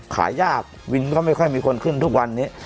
ขายยากวินก็ไม่ค่อยมีคนขึ้นทุกวันนี้